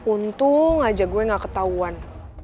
untung aja gue gak ketahuan